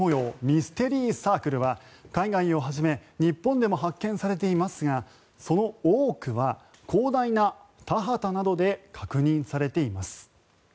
ミステリーサークルは海外をはじめ日本でも発見されていますがその多くは広大な田畑などで確認されています。